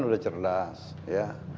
sudah cerdas ya